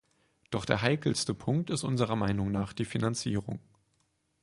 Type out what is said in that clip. Doch der heikelste Punkt ist unserer Meinung nach die Finanzierung.